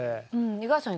五十嵐さん